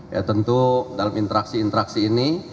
ya tentu dalam interaksi interaksi ini